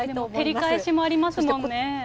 照り返しもありますもんね。